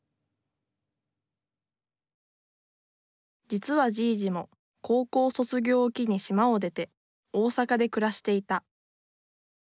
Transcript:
実はじいじも高校卒業を機に島を出て大阪で暮らしていた。